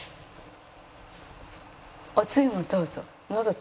おつゆもどうぞ。